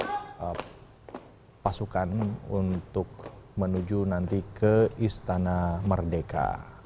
ada pasukan untuk menuju nanti ke istana merdeka